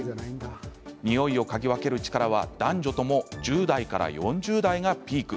匂いを嗅ぎ分ける力は男女とも１０代から４０代がピーク。